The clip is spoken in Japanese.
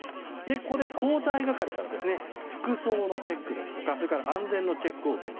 ここで交代係が服装のチェックですとかそれから安全のチェックを受ける。